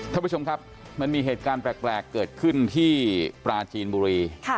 ท่านผู้ชมครับมันมีเหตุการณ์แปลกเกิดขึ้นที่ปราจีนบุรี